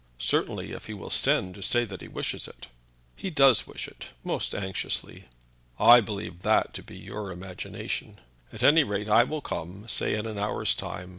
"Certainly, if he will send to say that he wishes it." "He does wish it, most anxiously." "I believe that to be your imagination. At any rate, I will come say in an hour's time.